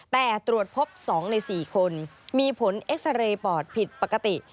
แต่ตรวจพบ๒ใน๔คนมีผลเอ็กซาเรย์ปอดผิดปกติ